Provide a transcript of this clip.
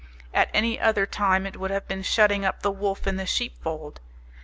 At any other time it would have been shutting up the wolf in the sheep fold.